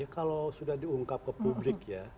kalau sudah diungkap ke publik ya